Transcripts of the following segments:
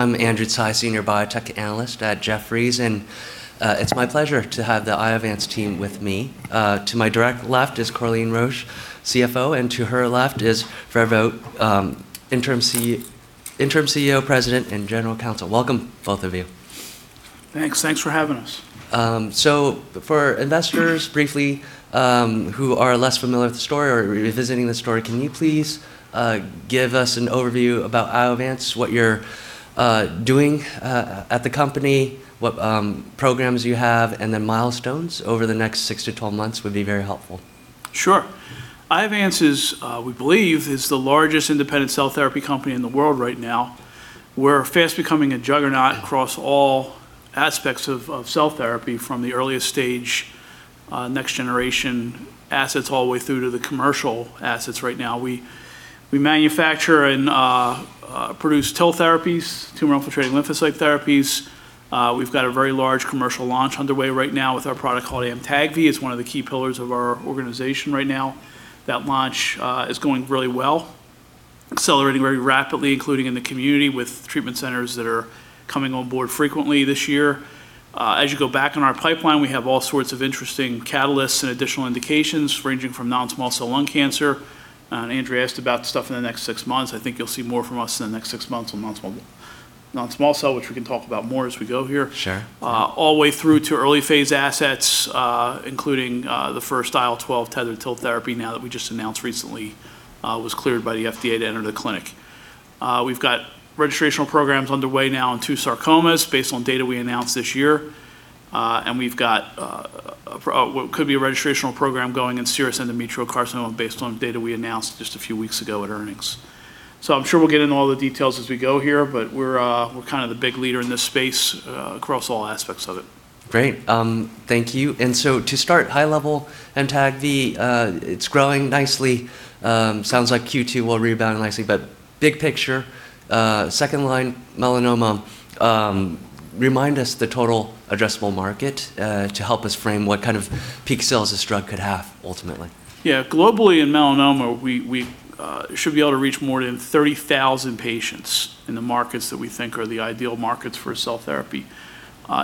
I'm Andrew Tsai, Senior Biotech Analyst at Jefferies, and it's my pleasure to have the Iovance team with me. To my direct left is Corleen Roche, CFO, and to her left is Fred Vogt, Interim CEO, President, and General Counsel. Welcome, both of you. Thanks. Thanks for having us. For investors, briefly, who are less familiar with the story or revisiting the story, can you please give us an overview about Iovance, what you're doing at the company, what programs you have, and then milestones over the next 6-12 months would be very helpful. Sure. Iovance, we believe, is the largest independent cell therapy company in the world right now. We're fast becoming a juggernaut across all aspects of cell therapy, from the earliest stage next generation assets, all the way through to the commercial assets right now. We manufacture and produce TIL therapies, tumor-infiltrating lymphocyte therapies. We've got a very large commercial launch underway right now with our product called AMTAGVI. It's one of the key pillars of our organization right now. That launch is going really well, accelerating very rapidly, including in the community with treatment centers that are coming on board frequently this year. As you go back in our pipeline, we have all sorts of interesting catalysts and additional indications ranging from non-small cell lung cancer. Andrew asked about stuff in the next six months. I think you'll see more from us in the next six months on non-small cell, which we can talk about more as we go here. Sure. All the way through to early phase assets, including the first IL-12 tethered TIL therapy now that we just announced recently was cleared by the FDA to enter the clinic. We've got registrational programs underway now in two sarcomas based on data we announced this year. We've got what could be a registrational program going in serous endometrial carcinoma based on data we announced just a few weeks ago at earnings. I'm sure we'll get into all the details as we go here, but we're the big leader in this space across all aspects of it. Great. Thank you. To start high level, AMTAGVI, it's growing nicely. Sounds like Q2 will rebound nicely. Big picture, second-line melanoma, remind us the total addressable market to help us frame what kind of peak sales this drug could have ultimately. Globally, in melanoma, we should be able to reach more than 30,000 patients in the markets that we think are the ideal markets for cell therapy.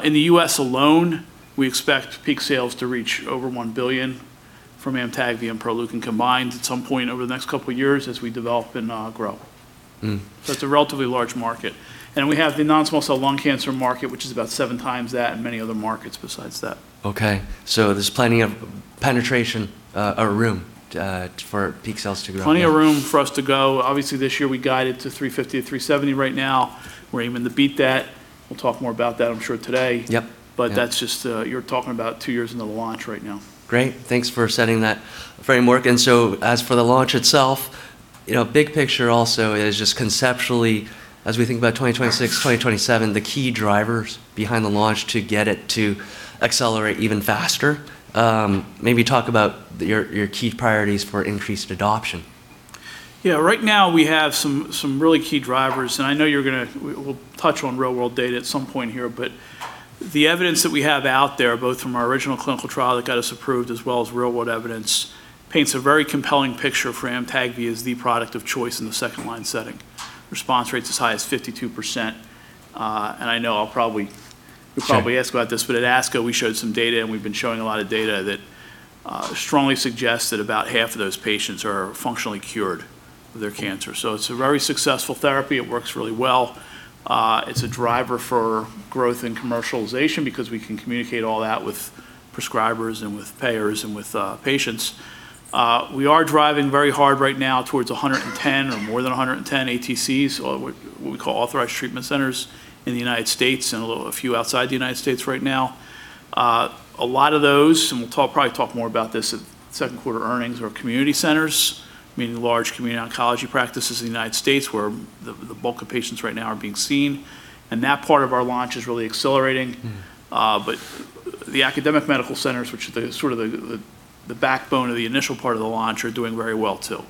In the U.S. alone, we expect peak sales to reach over $1 billion from AMTAGVI and Proleukin combined at some point over the next couple of years as we develop and grow. It's a relatively large market. We have the non-small cell lung cancer market, which is about 7x that and many other markets besides that. Okay. There's plenty of penetration or room for peak sales to grow. Plenty of room for us to go. Obviously, this year we guided to $350 million-$370 million right now. We're aiming to beat that. We'll talk more about that, I'm sure, today. Yep. You're talking about two years into the launch right now. Great. Thanks for setting that framework. As for the launch itself, big picture also is just conceptually, as we think about 2026, 2027, the key drivers behind the launch to get it to accelerate even faster. Maybe talk about your key priorities for increased adoption? Yeah. Right now we have some really key drivers, and I know we'll touch on real world data at some point here. The evidence that we have out there, both from our original clinical trial that got us approved as well as real world evidence, paints a very compelling picture for AMTAGVI as the product of choice in the second-line setting. Response rates as high as 52%. Sure. Ask about this. At ASCO we showed some data. We've been showing a lot of data that strongly suggests that about half of those patients are functionally cured of their cancer. It's a very successful therapy. It works really well. It's a driver for growth and commercialization because we can communicate all that with prescribers and with payers and with patients. We are driving very hard right now towards 110 or more than 110 ATCs, or what we call authorized treatment centers, in the U.S. and a few outside the U.S. right now. A lot of those, and we'll probably talk more about this at second quarter earnings, are community centers, meaning large community oncology practices in the U.S. where the bulk of patients right now are being seen. That part of our launch is really accelerating. The academic medical centers, which are the backbone of the initial part of the launch, are doing very well, too.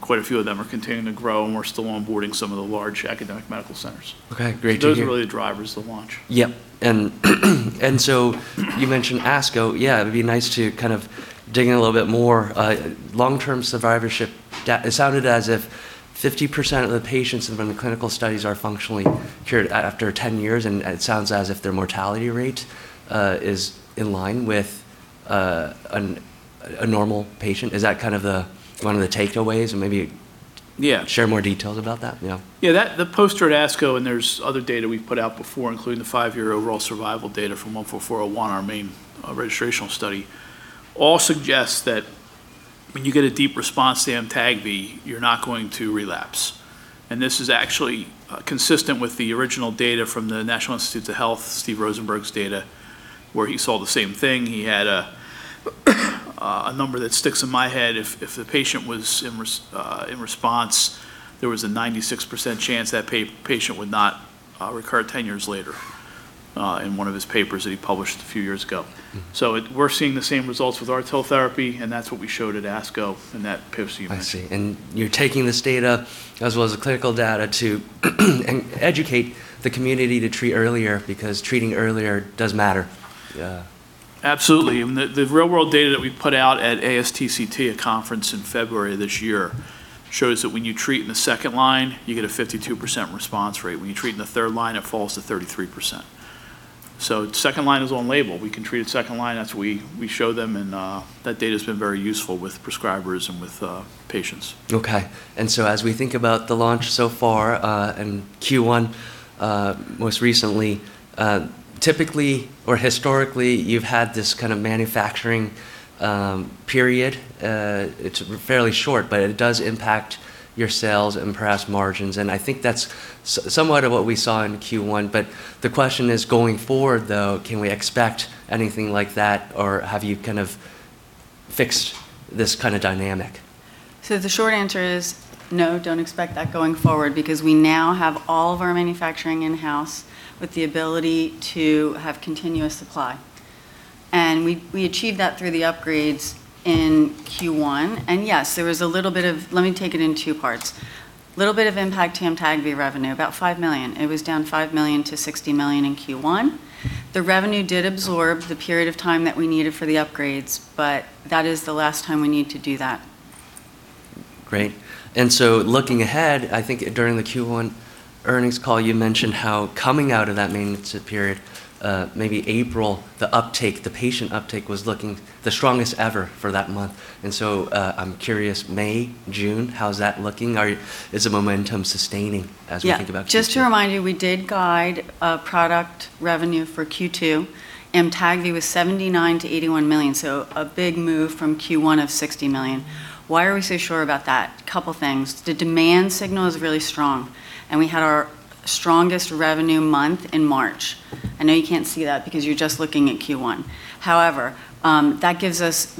Quite a few of them are continuing to grow and we're still onboarding some of the large academic medical centers. Okay. Great to hear. Those are really the drivers of the launch. Yep. You mentioned ASCO. Yeah, it'd be nice to dig in a little bit more. Long-term survivorship, it sounded as if 50% of the patients from the clinical studies are functionally cured after 10 years, and it sounds as if their mortality rate is in line with a normal patient. Is that one of the takeaways? Yeah. Share more details about that? Yeah. Yeah. The poster at ASCO, and there's other data we've put out before, including the five-year overall survival data from 144-01, our main registrational study, all suggests that when you get a deep response to AMTAGVI, you're not going to relapse. This is actually consistent with the original data from the National Institutes of Health, Steve Rosenberg's data, where he saw the same thing. He had a number that sticks in my head. If the patient was in response, there was a 96% chance that patient would not recur 10 years later in one of his papers that he published a few years ago. We're seeing the same results with our TIL therapy, and that's what we showed at ASCO in that poster you mentioned. I see. You're taking this data as well as the clinical data to educate the community to treat earlier, because treating earlier does matter. Yeah. Absolutely. The real-world data that we put out at ASTCT, a conference in February of this year, shows that when you treat in the second line, you get a 52% response rate. When you treat in the third line, it falls to 33%. Second line is on label. We can treat at second line. That's what we show them, and that data's been very useful with prescribers and with patients. Okay. As we think about the launch so far, in Q1, most recently, typically or historically, you've had this kind of manufacturing period. It's fairly short, but it does impact your sales and perhaps margins, and I think that's somewhat of what we saw in Q1. The question is, going forward though, can we expect anything like that, or have you kind of fixed this kind of dynamic? The short answer is no, don't expect that going forward because we now have all of our manufacturing in-house with the ability to have continuous supply. We achieved that through the upgrades in Q1. Let me take it in two parts. Little bit of impact to AMTAGVI revenue, about $5 million. It was down $5 million-$60 million in Q1. The revenue did absorb the period of time that we needed for the upgrades, that is the last time we need to do that. Great. Looking ahead, I think during the Q1 earnings call, you mentioned how coming out of that maintenance period, maybe April, the patient uptake was looking the strongest ever for that month. I'm curious, May, June, how's that looking? Is the momentum sustaining as we think about Q2? Just to remind you, we did guide product revenue for Q2. AMTAGVI was $79 million-$81 million, so a big move from Q1 of $60 million. Why are we so sure about that? Couple things. The demand signal is really strong, and we had our strongest revenue month in March. I know you can't see that because you're just looking at Q1. However, that gives us,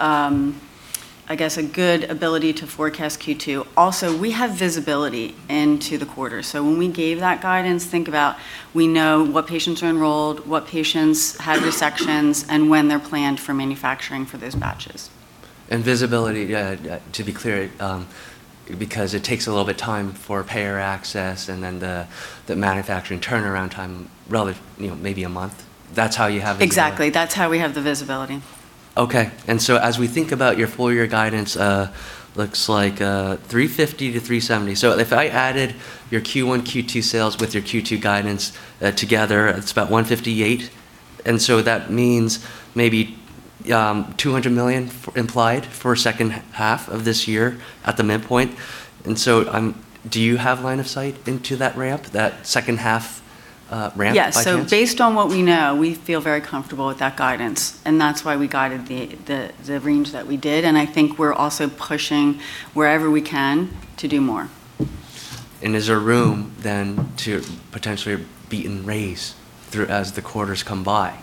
I guess, a good ability to forecast Q2. Also, we have visibility into the quarter, so when we gave that guidance, think about we know what patients are enrolled, what patients had resections, and when they're planned for manufacturing for those batches. Visibility, to be clear, because it takes a little bit of time for payer access and then the manufacturing turnaround time, maybe a month. That's how you have the visibility? Exactly. That's how we have the visibility. Okay. As we think about your full-year guidance, looks like $350 million-$370 million. If I added your Q1, Q2 sales with your Q2 guidance together, it's about $158 million. That means maybe $200 million implied for second half of this year at the midpoint. Do you have line of sight into that ramp, that second half ramp by chance? Yes. Based on what we know, we feel very comfortable with that guidance, and that's why we guided the range that we did, and I think we're also pushing wherever we can to do more. Is there room then to potentially beat and raise through as the quarters come by?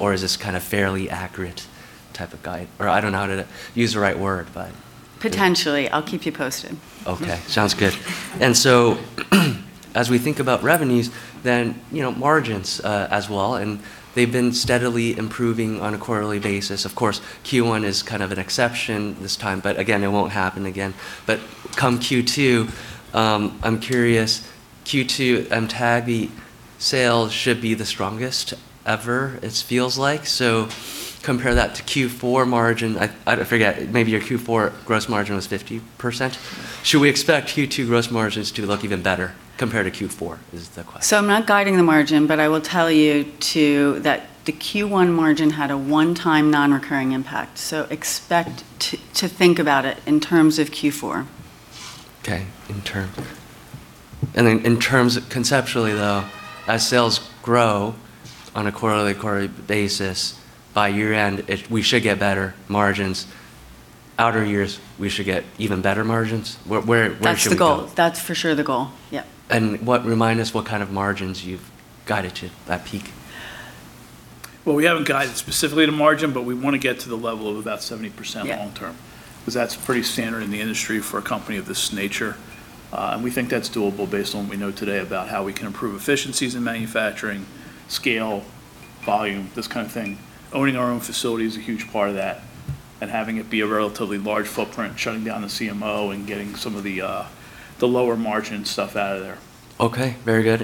Is this kind of fairly accurate type of guide? I don't know how to use the right word. Potentially. I'll keep you posted. Okay. Sounds good. As we think about revenues, then margins as well, and they've been steadily improving on a quarterly basis. Of course, Q1 is kind of an exception this time, but again, it won't happen again. Come Q2, I'm curious, Q2 AMTAGVI sales should be the strongest ever it feels like. Compare that to Q4 margin. I forget, maybe your Q4 gross margin was 50%. Should we expect Q2 gross margins to look even better compared to Q4 is the question. I'm not guiding the margin, but I will tell you too that the Q1 margin had a one-time non-recurring impact, so expect to think about it in terms of Q4. Okay. In terms conceptually though, as sales grow on a quarterly basis, by year-end, we should get better margins. Outer years, we should get even better margins? Where should we go? That's the goal. That's for sure the goal. Yeah. Remind us what kind of margins you've guided to that peak? Well, we haven't guided specifically to margin, but we want to get to the level of about 70% long-term. Yeah. That's pretty standard in the industry for a company of this nature. We think that's doable based on what we know today about how we can improve efficiencies in manufacturing, scale, volume, this kind of thing. Owning our own facility is a huge part of that, and having it be a relatively large footprint, shutting down the CMO and getting some of the lower margin stuff out of there. Okay. Very good.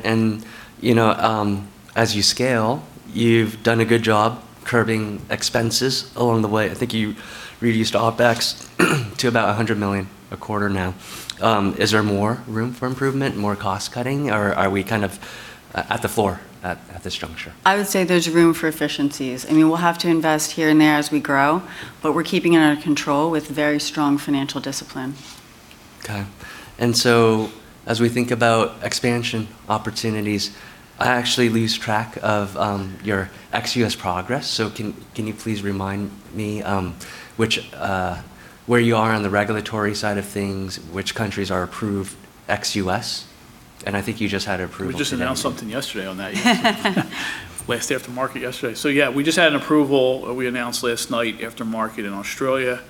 As you scale, you've done a good job curving expenses along the way. I think you reduced OpEx to about $100 million a quarter now. Is there more room for improvement, more cost-cutting, or are we kind of at the floor at this juncture? I would say there's room for efficiencies. I mean, we'll have to invest here and there as we grow, but we're keeping it under control with very strong financial discipline. Okay. As we think about expansion opportunities, I actually lose track of your ex-U.S. progress, so can you please remind me where you are on the regulatory side of things, which countries are approved ex-U.S.? I think you just had approval today. We just announced something yesterday on that last day after market yesterday. Yeah, we just had an approval we announced last night after market in Australia.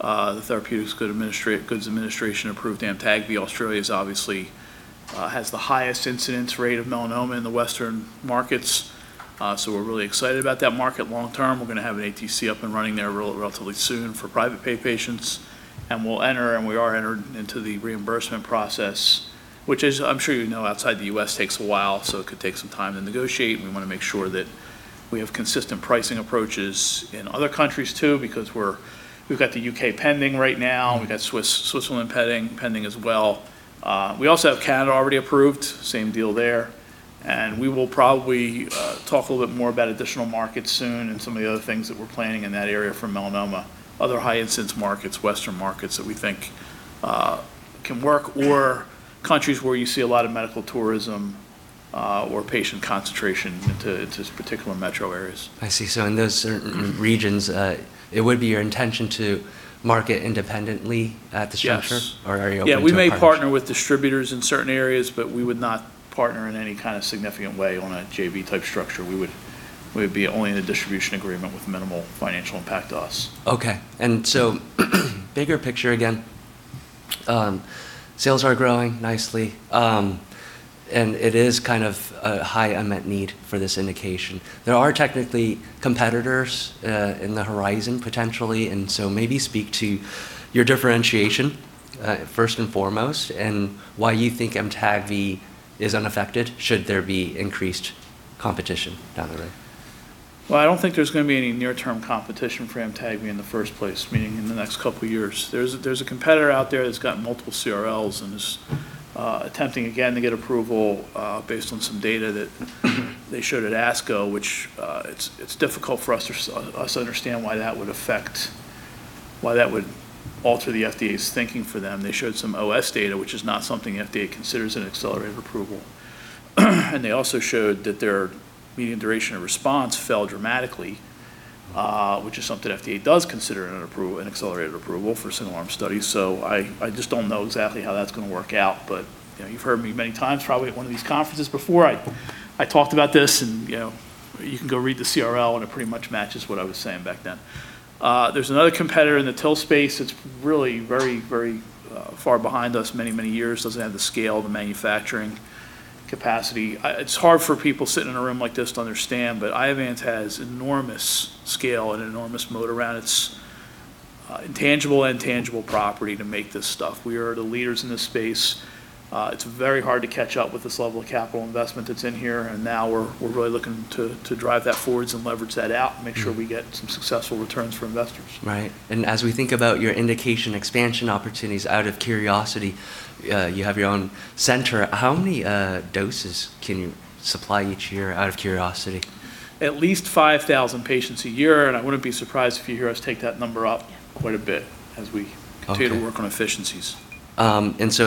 The Therapeutic Goods Administration approved AMTAGVI. Australia obviously has the highest incidence rate of melanoma in the Western markets. We're really excited about that market long term. We're going to have an ATC up and running there relatively soon for private pay patients, and we'll enter, and we are entered into the reimbursement process, which as I'm sure you know, outside the U.S. takes a while. It could take some time to negotiate, and we want to make sure we have consistent pricing approaches in other countries too, because we've got the U.K. pending right now. We've got Switzerland pending as well. We also have Canada already approved, same deal there. We will probably talk a little bit more about additional markets soon and some of the other things that we're planning in that area for melanoma. Other high instance markets, Western markets that we think can work, or countries where you see a lot of medical tourism or patient concentration into particular metro areas. I see. In those certain regions, it would be your intention to market independently at the structure? Yes. Are you open to a partnership? Yeah, we may partner with distributors in certain areas, but we would not partner in any kind of significant way on a JV type structure. We would be only in a distribution agreement with minimal financial impact to us. Okay. Bigger picture, again, sales are growing nicely. It is a high unmet need for this indication. There are technically competitors in the horizon potentially, maybe speak to your differentiation, first and foremost, and why you think AMTAGVI is unaffected should there be increased competition down the road. I don't think there's going to be any near-term competition for AMTAGVI in the first place, meaning in the next couple of years. There's a competitor out there that's got multiple CRLs and is attempting again to get approval based on some data that they showed at ASCO, which it's difficult for us to understand why that would alter the FDA's thinking for them. They also showed some OS data, which is not something FDA considers in an accelerated approval. They also showed that their median duration of response fell dramatically, which is something FDA does consider in an accelerated approval for single-arm studies. I just don't know exactly how that's going to work out. You've heard me many times, probably at one of these conferences before, I talked about this and you can go read the CRL and it pretty much matches what I was saying back then. There's another competitor in the TIL space that's really very far behind us, many years, doesn't have the scale, the manufacturing capacity. It's hard for people sitting in a room like this to understand, but Iovance has enormous scale and enormous moat around its intangible and tangible property to make this stuff. We are the leaders in this space. It's very hard to catch up with this level of capital investment that's in here, and now we're really looking to drive that forwards and leverage that out and make sure we get some successful returns for investors. Right. As we think about your indication expansion opportunities, out of curiosity, you have your own center. How many doses can you supply each year, out of curiosity? At least 5,000 patients a year, and I wouldn't be surprised if you hear us take that number up quite a bit. Okay As we continue to work on efficiencies.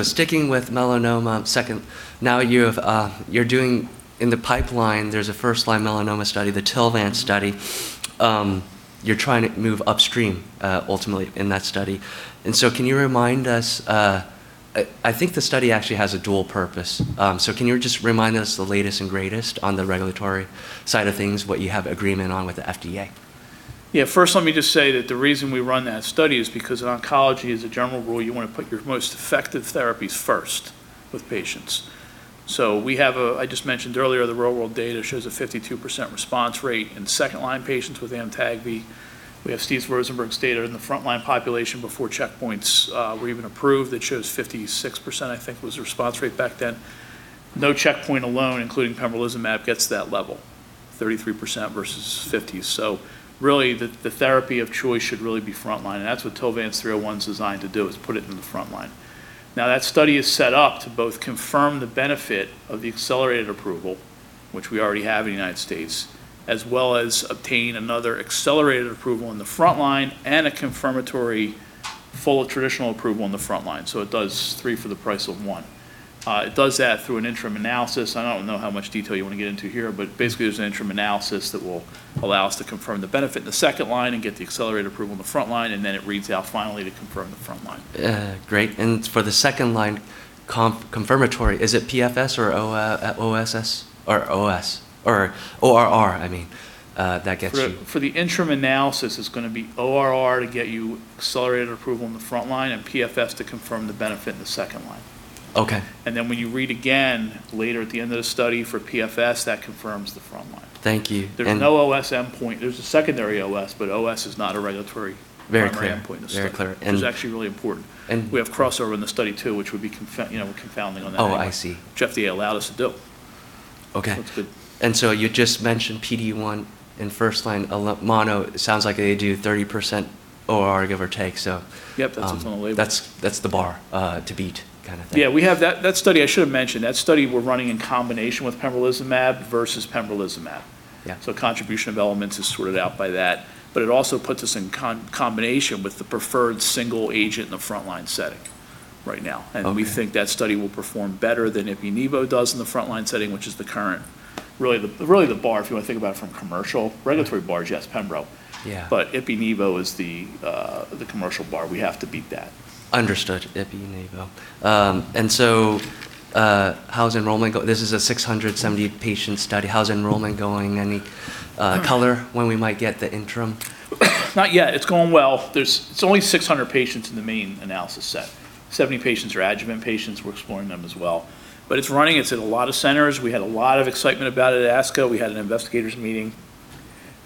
Sticking with melanoma, second, now in the pipeline, there's a first-line melanoma study, the TILVANCE Study. You're trying to move upstream, ultimately, in that study. Can you remind us, I think the study actually has a dual purpose. Can you just remind us the latest and greatest on the regulatory side of things, what you have agreement on with the FDA? Yeah. First, let me just say that the reason we run that study is because in oncology, as a general rule, you want to put your most effective therapies first with patients. We have, I just mentioned earlier, the real-world data shows a 52% response rate in second-line patients with AMTAGVI. We have Steven Rosenberg's data in the frontline population before checkpoints were even approved that shows 56%, I think, was the response rate back then. No checkpoint alone, including pembrolizumab, gets to that level, 33% versus 50%. Really, the therapy of choice should really be frontline. That's what TILVANCE-301 is designed to do, is put it in the frontline. Now, that study is set up to both confirm the benefit of the accelerated approval, which we already have in the U.S., as well as obtain another accelerated approval in the frontline and a confirmatory full traditional approval in the frontline. It does three for the price of one. It does that through an interim analysis. I don't know how much detail you want to get into here, but basically, there's an interim analysis that will allow us to confirm the benefit in the second line and get the accelerated approval in the frontline, and then it reads out finally to confirm the frontline. Great. For the second line confirmatory, is it PFS or ORR that gets you? For the interim analysis, it's going to be ORR to get you accelerated approval in the frontline and PFS to confirm the benefit in the second line. Okay. When you read again later at the end of the study for PFS, that confirms the frontline. Thank you. There's no OS endpoint. There's a secondary OS, but OS is not a regulatory- Very clear. ...primary endpoint in the study. Very clear. Which is actually really important. And- We have crossover in the study too, which would be confounding on that endpoint. Oh, I see. Which FDA allowed us to do. Okay. That's good. You just mentioned PD-1 in first line mono. Sounds like they do 30% ORR, give or take. Yep. That's what's on the label. That's the bar to beat kind of thing. Yeah. That study, I should have mentioned, that study we're running in combination with pembrolizumab versus pembrolizumab. Yeah. Contribution of elements is sorted out by that. It also puts us in combination with the preferred single agent in the frontline setting right now. Okay. We think that study will perform better than ipi/nivo does in the frontline setting, which is the current, really the bar, if you want to think about it from commercial, regulatory bar is yes, pembro. Yeah. Ipi/nivo is the commercial bar. We have to beat that. Understood, ipi/nivo. How's enrollment go? This is a 670 patient study. How's enrollment going? Any color when we might get the interim? Not yet. It's going well. It's only 600 patients in the main analysis set. 70 patients are adjuvant patients. We're exploring them as well. It's running. It's at a lot of centers. We had a lot of excitement about it at ASCO. We had an investigators meeting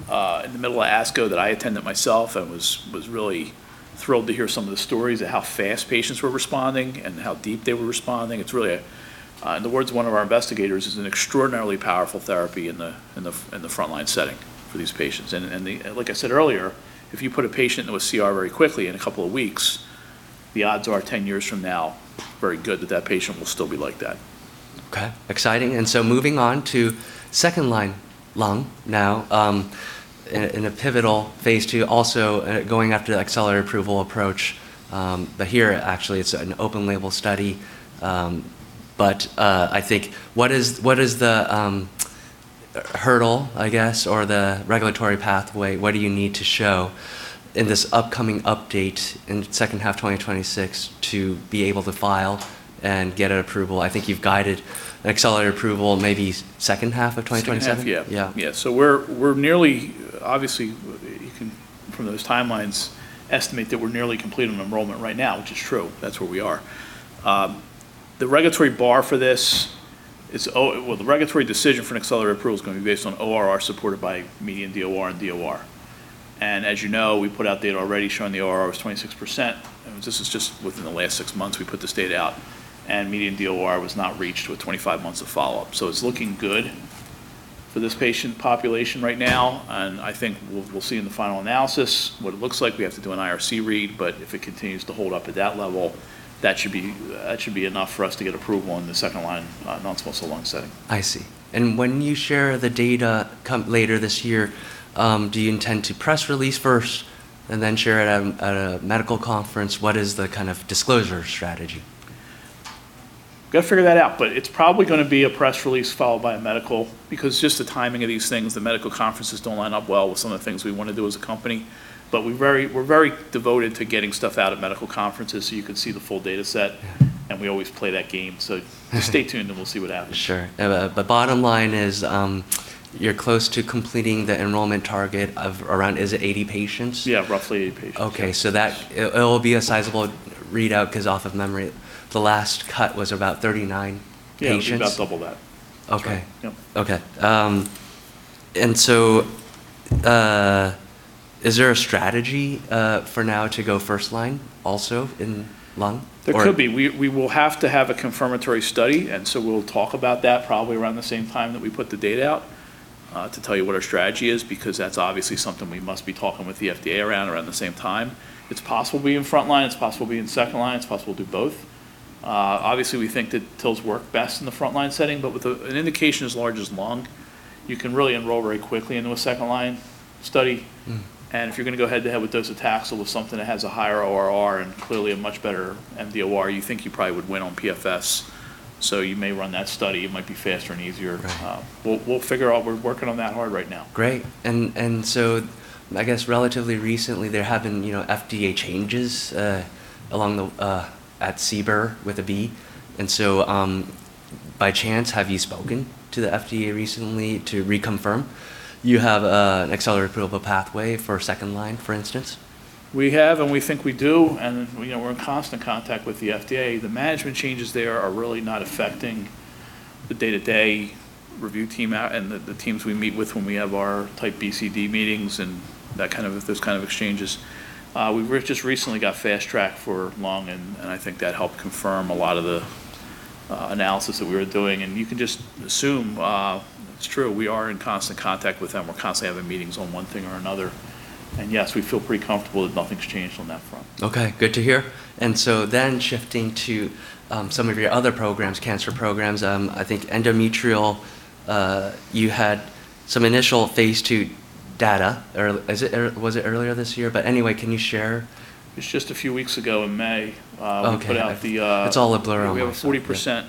in the middle of ASCO that I attended myself and was really thrilled to hear some of the stories of how fast patients were responding and how deep they were responding. It's really, in the words of one of our investigators, is an extraordinarily powerful therapy in the frontline setting for these patients. Like I said earlier, if you put a patient into a CR very quickly in a couple of weeks, the odds are 10 years from now, very good that that patient will still be like that. Okay. Exciting. Moving on to second-line lung now, in a pivotal phase II also going after the accelerated approval approach, here actually it's an open label study. I think what is the hurdle, I guess, or the regulatory pathway? What do you need to show in this upcoming update in second half 2026 to be able to file and get an approval? I think you've guided an accelerated approval maybe second half of 2027? Second half, yeah. Yeah. Yeah. We're nearly, obviously you can from those timelines estimate that we're nearly complete on enrollment right now, which is true. That's where we are. The regulatory bar for this, well, the regulatory decision for an accelerated approval is going to be based on ORR supported by median DOR and DOR. As you know, we put out data already showing the ORR was 26%, and this is just within the last six months we put this data out, and median DOR was not reached with 25 months of follow-up. It's looking good for this patient population right now, and I think we'll see in the final analysis what it looks like. We have to do an IRC read, if it continues to hold up at that level, that should be enough for us to get approval on the second line non-small cell lung setting. I see. When you share the data later this year, do you intend to press release first and then share it at a medical conference? What is the kind of disclosure strategy? Got to figure that out, but it's probably going to be a press release followed by a medical, because just the timing of these things, the medical conferences don't line up well with some of the things we want to do as a company. We're very devoted to getting stuff out at medical conferences so you can see the full data set. Yeah. We always play that game. Stay tuned and we'll see what happens. Sure. The bottom line is you're close to completing the enrollment target of around, is it 80 patients? Yeah, roughly 80 patients. Okay. It'll be a sizable readout because off of memory the last cut was about 39 patients. Yeah, it'll be about double that. Okay. That's right. Yep. Okay. Is there a strategy for now to go first line also in lung? There could be. We will have to have a confirmatory study, and so we'll talk about that probably around the same time that we put the data out to tell you what our strategy is, because that's obviously something we must be talking with the FDA around the same time. It's possible it'll be in frontline, it's possible it'll be in second line. It's possible to do both. Obviously, we think that TILs work best in the frontline setting, but with an indication as large as lung, you can really enroll very quickly into a second line study. If you're going to go head to head with docetaxel with something that has a higher ORR and clearly a much better mDOR, you think you probably would win on PFS. You may run that study. It might be faster and easier. Right. We'll figure out. We're working on that hard right now. Great. I guess relatively recently there have been FDA changes at CBER with a B, by chance, have you spoken to the FDA recently to reconfirm you have an accelerated approval pathway for second line, for instance? We have, and we think we do, and we're in constant contact with the FDA. The management changes there are really not affecting the day-to-day review team and the teams we meet with when we have our Type B/C/D meetings and those kind of exchanges. We just recently got fast track for lung, and I think that helped confirm a lot of the analysis that we were doing, and you can just assume it's true. We are in constant contact with them. We're constantly having meetings on one thing or another. Yes, we feel pretty comfortable that nothing's changed on that front. Okay, good to hear. Shifting to some of your other programs, cancer programs, I think endometrial, you had some initial phase II data, was it earlier this year? Can you share? It's just a few weeks ago in May we put out. Okay. It's all a blur. We have a 40%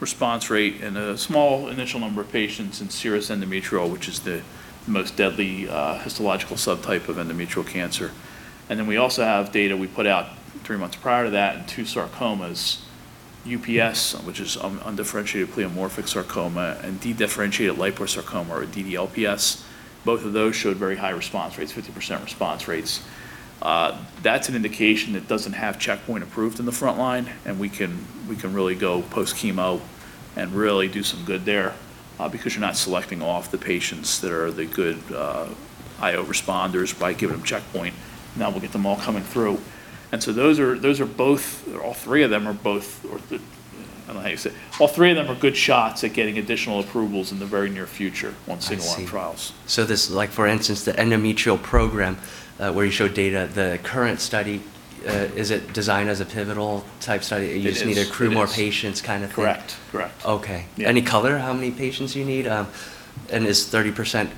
response rate in a small initial number of patients in serous endometrial, which is the most deadly histological subtype of endometrial cancer. We also have data we put out three months prior to that in two sarcomas, UPS, which is undifferentiated pleomorphic sarcoma and dedifferentiated liposarcoma, or DDLPS. Both of those showed very high response rates, 50% response rates. That's an indication that doesn't have checkpoint approved in the front line, and we can really go post-chemo and really do some good there because you're not selecting off the patients that are the good IO responders by giving them checkpoint. We'll get them all coming through. Those are both, all three of them are both. All three of them are good shots at getting additional approvals in the very near future on single arm trials. I see. This, like for instance, the endometrial program where you showed data, the current study, is it designed as a pivotal type study? It is. You just need to accrue more patients kind of thing? Correct. Okay. Yeah. Any color how many patients you need? Is 30%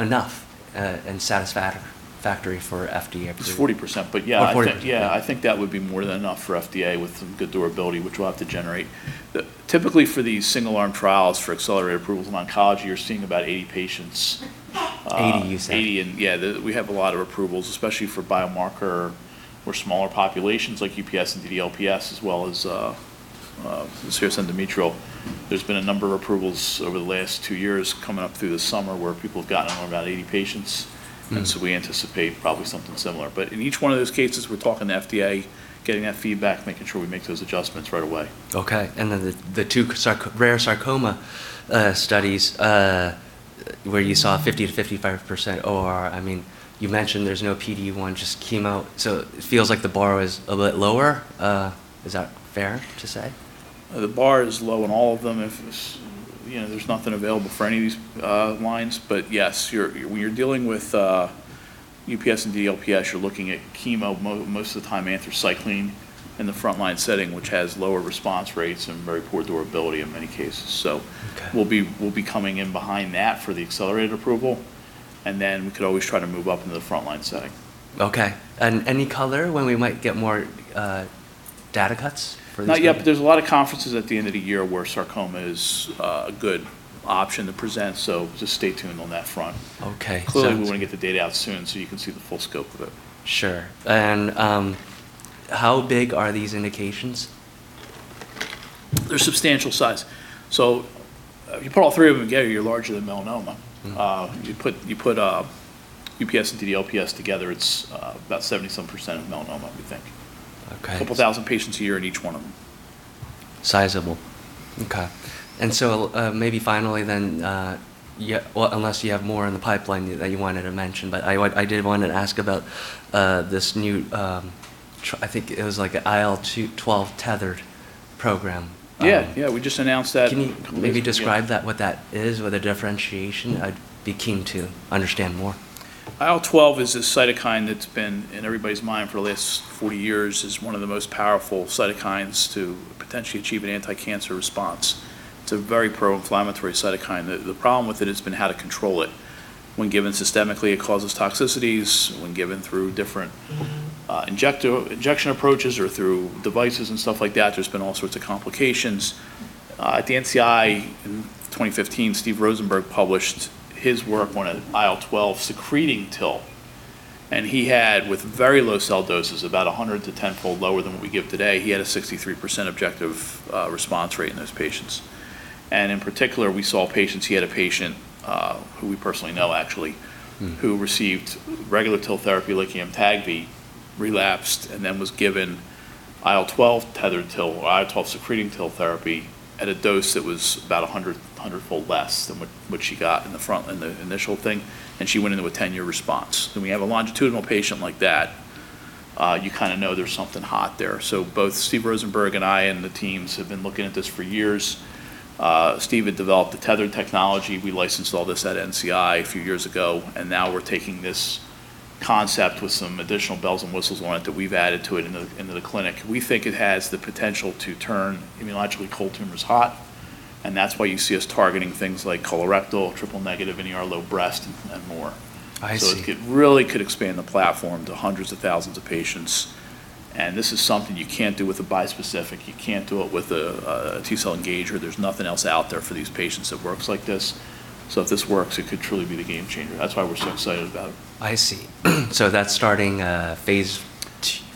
enough and satisfactory for FDA approval? It's 40%, but yeah. 40%. Yeah, I think that would be more than enough for FDA with some good durability, which we'll have to generate. Typically, for these single arm trials for accelerated approvals in oncology, you're seeing about 80 patients. 80 patients you said. 80 patients. Yeah, we have a lot of approvals, especially for biomarker or smaller populations like UPS and DDLPS, as well as serous endometrial. There's been a number of approvals over the last two years coming up through the summer where people have gotten on about 80 patients. We anticipate probably something similar. In each one of those cases, we're talking to FDA, getting that feedback, making sure we make those adjustments right away. Okay. The two rare sarcoma studies where you saw a 50%-55% OR. You mentioned there's no PD-1, just chemo, it feels like the bar was a bit lower. Is that fair to say? The bar is low on all of them. There's nothing available for any of these lines. Yes, when you're dealing with UPS and DDLPS, you're looking at chemo most of the time, anthracycline in the frontline setting, which has lower response rates and very poor durability in many cases. Okay. We'll be coming in behind that for the accelerated approval. We could always try to move up into the frontline setting. Okay. Any color when we might get more data cuts for these? Not yet. There's a lot of conferences at the end of the year where sarcoma is a good option to present. Just stay tuned on that front. Okay. Clearly, we want to get the data out soon so you can see the full scope of it. Sure. How big are these indications? They're a substantial size. If you put all three of them together, you're larger than melanoma. You put UPS and DDLPS together, it's about 70%-some of melanoma, we think. Okay. A couple thousand patients a year in each one of them. Sizable. Okay. Maybe finally then, unless you have more in the pipeline that you wanted to mention, but I did want to ask about this new, I think it was like an IL-12 tethered program. Yeah. We just announced that a couple weeks ago. Can you maybe describe what that is or the differentiation? I'd be keen to understand more. IL-12 is a cytokine that's been in everybody's mind for the last 40 years as one of the most powerful cytokines to potentially achieve an anticancer response. It's a very pro-inflammatory cytokine. The problem with it has been how to control it. When given systemically, it causes toxicities. When given through different injection approaches or through devices and stuff like that, there's been all sorts of complications. At the NCI in 2015, Steven Rosenberg published his work on an IL-12-secreting TIL, and he had, with very low cell doses, about 100 to tenfold lower than what we give today, he had a 63% objective response rate in those patients. In particular, we saw patients, he had a patient who we personally know, actually. who received regular TIL therapy, like AMTAGVI, relapsed, and then was given IL-12 tethered TIL or IL-12 secreting TIL therapy at a dose that was about 100-fold less than what she got in the front line, the initial thing, and she went into a 10-year response. When we have a longitudinal patient like that, you know there's something hot there. Both Steve Rosenberg and I, and the teams have been looking at this for years. Steve had developed the tethered technology. We licensed all this at NCI a few years ago, and now we're taking this concept with some additional bells and whistles on it that we've added to it into the clinic. We think it has the potential to turn immunologically cold tumors hot, and that's why you see us targeting things like colorectal, triple-negative, HER2-low breast, and more. I see. It really could expand the platform to hundreds of thousands of patients, and this is something you can't do with a bispecific, you can't do it with a T-cell engager. There's nothing else out there for these patients that works like this. If this works, it could truly be the game changer. That's why we're so excited about it. I see. That's starting phase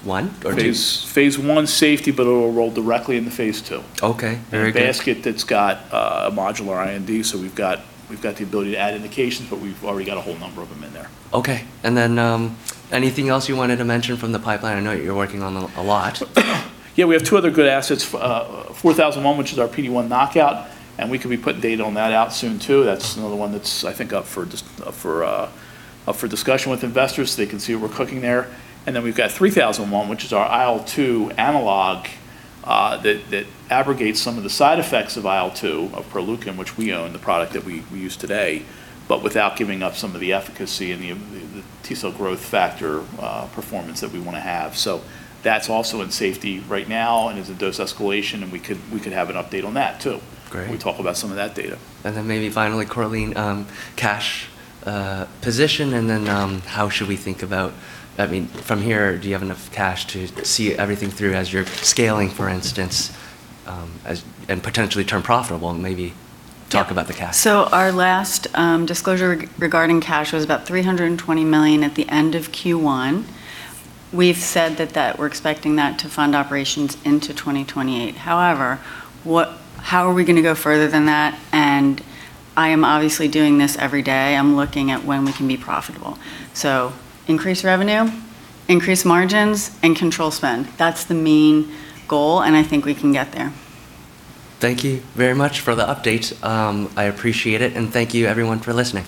I or II? Phase I safety, but it will roll directly into phase II. Okay. Very good. In a basket that's got a modular IND, so we've got the ability to add indications, but we've already got a whole number of them in there. Okay. Anything else you wanted to mention from the pipeline? I know you're working on a lot. Yeah, we have two other good assets, IOV-4001, which is our PD-1 knockout, and we could be putting data on that out soon, too. That's another one that's, I think, up for discussion with investors so they can see what we're cooking there. We've got IOV-3001, which is our IL-2 analog that abrogates some of the side effects of IL-2, of Proleukin, which we own, the product that we use today, but without giving up some of the efficacy and the T-cell growth factor performance that we want to have. That's also in safety right now and is in dose escalation, and we could have an update on that, too. Great. We can talk about some of that data. Maybe finally, Corleen, cash position, and then how should we think about From here, do you have enough cash to see everything through as you're scaling, for instance, and potentially turn profitable? Maybe talk about the cash. Our last disclosure regarding cash was about $320 million at the end of Q1. We've said that we're expecting that to fund operations into 2028. However, how are we going to go further than that? I am obviously doing this every day. I'm looking at when we can be profitable. Increase revenue, increase margins, and control spend. That's the main goal, and I think we can get there. Thank you very much for the update. I appreciate it, and thank you everyone for listening.